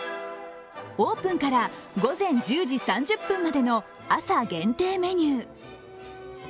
オープンから午前１０時３０分までの朝限定メニュー。